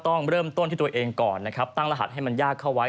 ต้องเริ่มต้นที่ตัวเองก่อนนะครับตั้งรหัสให้มันยากเข้าไว้